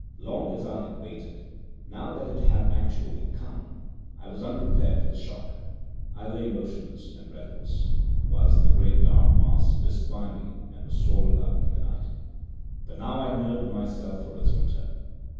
Long as I had waited, now that it had actually come I was unprepared for the shock. I lay motionless and breathless, whilst the great dark mass whisked by me and was swallowed up in the night. But now I nerved myself for its return.